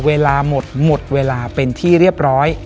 เวลาหมดหมดเวลาเป็นที่เรียบร้อย